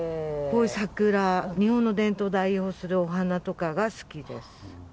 こういう桜、日本の伝統を代表するお花とかが好きですね。